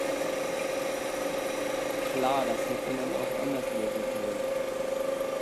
Klar, das hätte man auch anders lösen können.